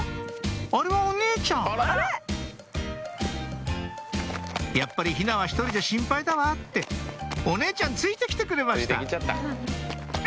あれはお姉ちゃん「やっぱり陽菜は１人じゃ心配だわ」ってお姉ちゃんついて来てくれましたあ！